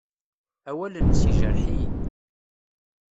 Awal-nnes yejreḥ-iyi.